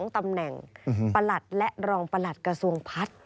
ตำแหน่งประหลัดและรองประหลัดกระทรวงพัฒน์